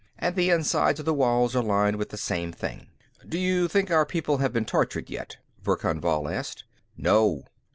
And the insides of the walls are lined with the same thing." "Do you think our people have been tortured, yet?" Verkan Vall asked. "No."